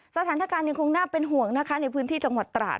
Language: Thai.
สถานการณ์ยังคงน่าเป็นห่วงนะคะในพื้นที่จังหวัดตราด